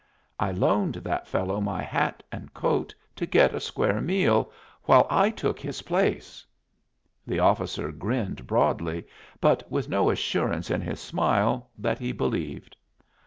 I loaned that fellow my hat and coat to get a square meal, while I took his place " The officer grinned broadly, but with no assurance in his smile that he believed.